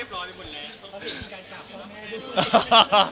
อเจมส์เพราะว่าเป็นการจับพ่อแม่ด้วย